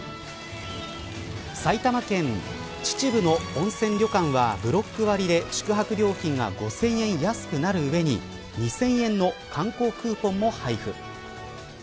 埼玉県秩父の温泉旅館はブロック割で宿泊料金が５０００円安くなるうえに２０００円の観光クーポンも配付。